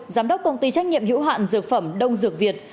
giám đốc công ty trách nhiệm hữu hạn dược phẩm đông dược việt